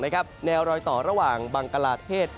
แนวรอยต่อระหว่างบังกลาเทศ